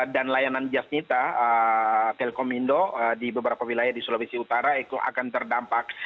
dan layanan jasnita telkomindo di beberapa wilayah di sulawesi utara itu akan terdampak